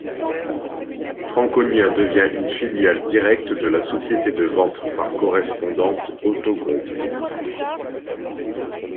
Frankonia devient une filiale directe de la société de vente par correspondance Otto Group.